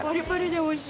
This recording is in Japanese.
おいしい？